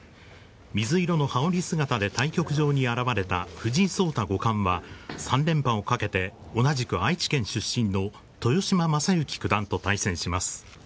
水色の羽織姿で対局場に現れた藤井聡太五冠は、３連覇をかけて、同じく愛知県出身の豊島将之九段と対戦します。